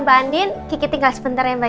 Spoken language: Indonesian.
mbak andin kiki tinggal sebentar ya mbak